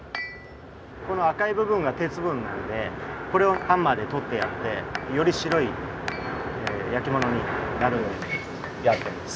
この赤い部分が鉄分なんでこれをハンマーで取ってやってより白い焼き物になるようにやってます。